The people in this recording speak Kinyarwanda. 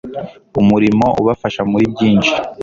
umurimo ubafasha muri byinshi